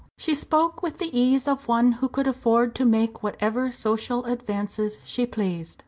She spoke with the ease of one who could afford to make whatever social advances she pleased.